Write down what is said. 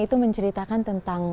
itu menceritakan tentang